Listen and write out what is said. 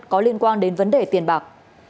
có liên quan đến vấn đề tiền bạc